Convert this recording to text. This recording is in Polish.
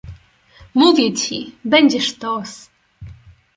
Mówię ci, będzie sztos!